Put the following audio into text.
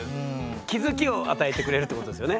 気付きを与えてくれるってことですよね。